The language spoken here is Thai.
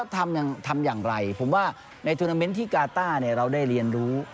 ทำอย่างไรผมว่าในทวนาเมนต์ที่กาต้าเราได้เรียนรู้